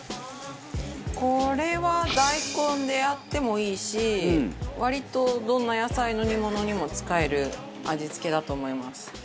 これは大根でやってもいいし割とどんな野菜の煮物にも使える味付けだと思います。